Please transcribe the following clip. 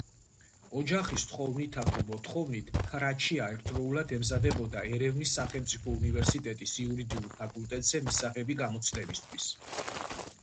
ოჯახის თხოვნითა თუ მოთხოვნით, ჰრაჩია ერთდროულად ემზადებოდა ერევნის სახელმწიფო უნივერსიტეტის იურიდიულ ფაკულტეტზე მისაღები გამოცდებისთვის.